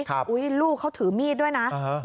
ครับอุ้ยลูกเขาถือมีดด้วยนะอ่าฮะ